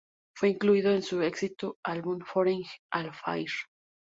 Fue incluido en su exitoso álbum "Foreign Affair".